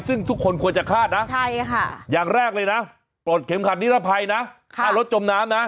ซึ่งทุกคนควรจะคาดนะอย่างแรกเลยนะปลดเข็มขัดนิรภัยนะถ้ารถจมน้ำนะ